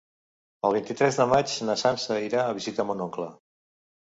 El vint-i-tres de maig na Sança irà a visitar mon oncle.